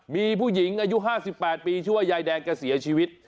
มีผู้หญิงอายุ๕๘ปีชื่อว่ายายแดงแกเสียชีวิต